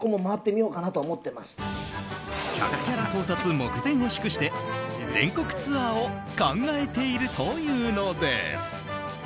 １００キャラ到達目前を祝して全国ツアーを考えているというのです。